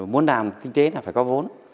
muốn làm kinh tế thì phải có vốn